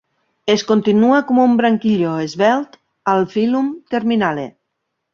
Es continua com un branquilló esvelt al filum terminale.